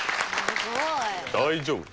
大丈夫？